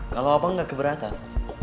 kalau apa gak keberatan